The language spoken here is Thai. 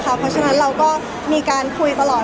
เพราะฉะนั้นเราก็มีการคุยตลอด